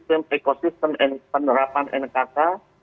ekosistem penerapan nkk